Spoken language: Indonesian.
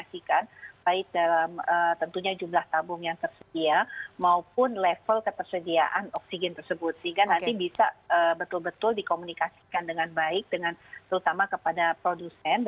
satgas untuk pemanusiaan